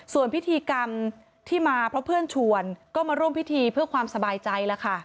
ส่วนพิธีกรรมที่มาเพราะเพื่อนชวนก็มาร่วมพิธีเพื่อความสบายใจแล้วค่ะ